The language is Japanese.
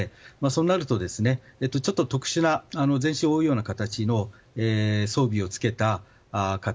そうなると、ちょっと特殊な全身を覆うような形の装備を着けた方